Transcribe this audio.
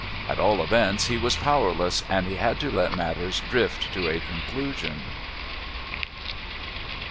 At all events, he was powerless, and had to let matters drift to a conclusion.